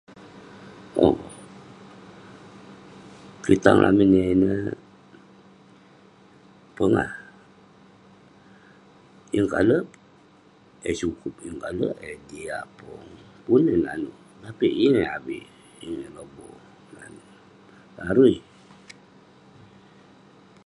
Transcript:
Owk..kitang lamin yah ineh, pongah, yeng kalek eh sukup, yeng kalek eh jiak pong, pun eh nanouk..tapik yeng eh avik ,yeng eh lobo, larui